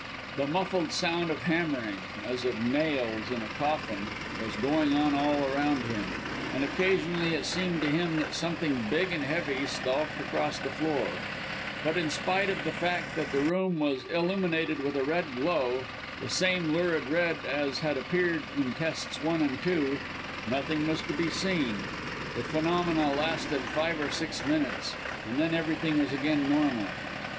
The muffled sound of hammering as of nails in a coffin was going on all around him, and occasionally it seemed to him that something big and heavy stalked across the floor; but in spite of the fact that the room was illuminated with a red glow the same lurid red as had appeared in tests one and two nothing was to be seen. The phenomena lasted five or six minutes and then everything was again normal.